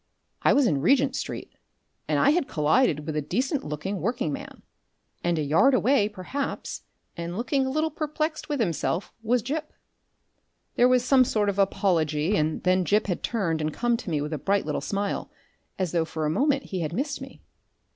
I was in Regent Street, and I had collided with a decent looking working man; and a yard away, perhaps, and looking a little perplexed with himself, was Gip. There was some sort of apology, and then Gip had turned and come to me with a bright little smile, as though for a moment he had missed me.